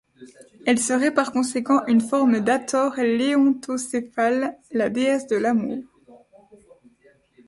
Elle serait par conséquent une forme d'Hathor léontocéphale, la déesse de l'amour.